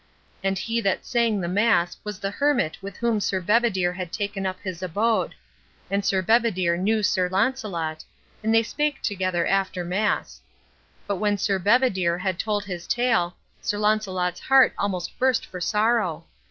And he that sang the mass was the hermit with whom Sir Bedivere had taken up his abode; and Sir Bedivere knew Sir Launcelot, and they spake together after mass. But when Sir Bedivere had told his tale, Sir Launcelot's heart almost burst for sorrow.